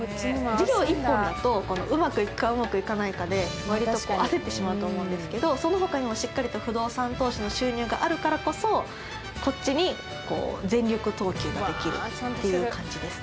事業一本だとうまくいくかうまくいかないかで割とこう焦ってしまうと思うんですけどその他にもしっかりと不動産投資の収入があるからこそこっちに全力投球ができるっていう感じですね。